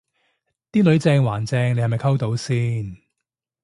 啲女正還正你係咪溝到先